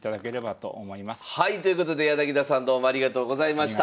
はいということで柳田さんどうもありがとうございました。